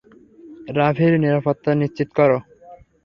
রাভির নিরাপত্তা নিশ্চিত কর।